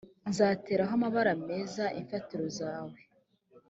nzayateraho amabara meza imfatiro zawe